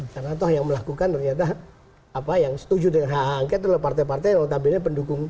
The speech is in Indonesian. karena toh yang melakukan ternyata apa yang setuju dengan hak angket adalah partai partai yang otak otak pendukung